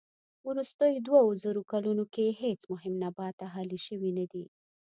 وروستيو دووزرو کلونو کې هېڅ مهم نبات اهلي شوی نه دي.